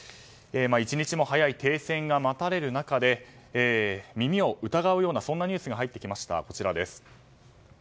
一日も早い停戦が待たれる中で耳を疑うようなニュースが入ってきました。